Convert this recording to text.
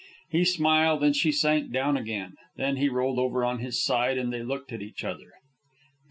He smiled, and she sank down again. Then he rolled over on his side, and they looked at each other.